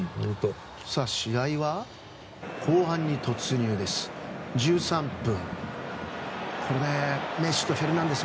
試合は、後半に突入です。